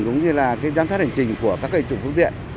cũng như là giám sát hành trình của các hệ trụ phục viện